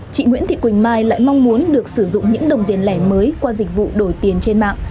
chị nguyễn thị quỳnh mai lại mong muốn được sử dụng những đồng tiền lẻ mới qua dịch vụ đổi tiền trên mạng